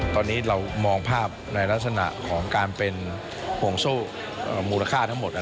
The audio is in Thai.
ตอนนี้เรามองภาพในลักษณะของการเป็นห่วงโซ่มูลค่าทั้งหมด